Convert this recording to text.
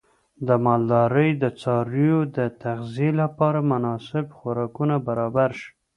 د مالدارۍ د څارویو د تغذیې لپاره مناسب خوراکونه برابر شي.